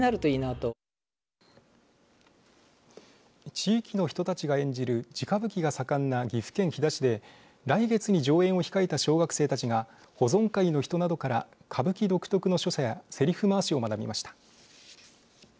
地域の人たちが演じる地歌舞伎が盛んな岐阜県飛騨市で、来月に上演を控えた小学生たちが保存会の人などから歌舞伎独特の所作やせりふ回しを学びました。